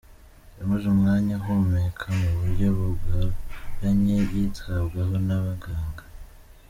Yamaze umwanya ahumeka mu buryo bugoranye yitabwaho n’abaganga.